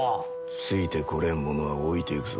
ついてこれん者は置いていくぞ。